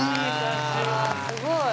すごい。